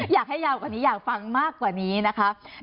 อยากให้ยาวกว่านี้อยากฟังมากกว่านี้นะครับ